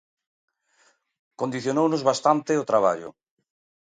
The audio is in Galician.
Condicionounos bastante o traballo.